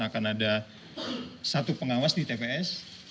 akan ada satu pengawas di tps